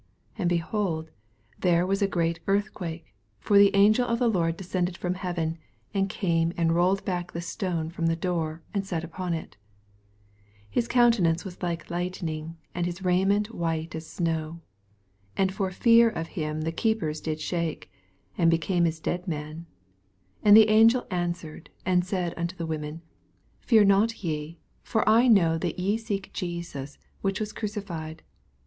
2 And. behold, there was a great earthqaake : for tne angel of the Lord descended from heaven, and came and rolled back the stone from the door, and sat upon it. 8 His countenance was like light ning, and his raiment white as snow. 4 And for fear of him the keepers Jid shake, and became as dead fnenx 6 And the angel answered and said unto the women, Fear not ye : for I know that ye seek Jesus, which was crucified.